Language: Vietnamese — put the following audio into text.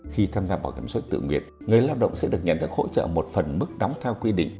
khi tham gia bảo hiểm suất tự nguyện người lao động sẽ được nhận được hỗ trợ một phần mức đóng theo quy định